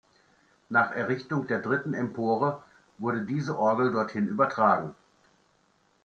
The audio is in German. Nach Errichtung der dritten Empore wurde diese Orgel dorthin übertragen.